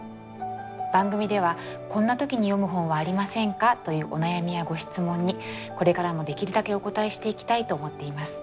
番組では「こんな時に読む本はありませんか？」というお悩みやご質問にこれからもできるだけお答えしていきたいと思っています。